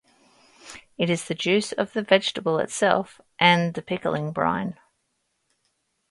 It is the juice of the vegetable itself and the pickling brine.